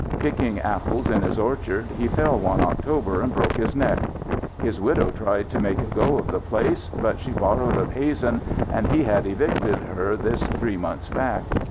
Picking apples in his orchard, he fell one October and broke his neck. His widow tried to make a go of the place, but she borrowed of Hazen and he had evicted her this three months back.